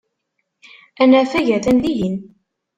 Anafag atan dihin.